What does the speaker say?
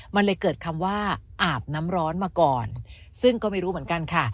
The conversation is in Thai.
มันเลยเกิดคำว่าอาบน้ำร้อนมาก่อนซึ่งก็ไม่รู้เหมือนกันค่ะ